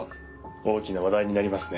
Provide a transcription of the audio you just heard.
大きな話題になりますね。